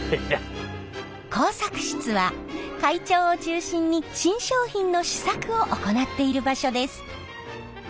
工作室は会長を中心に新商品の試作を行っている場所です。